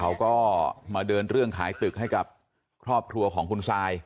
เขาก็มาเดินเรื่องขายตึกให้กับครอบครัวของคุณซาย